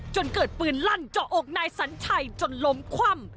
จนเกิดปืนลั่นเจาะอกนายสัญชัยจนล้มคว่ำ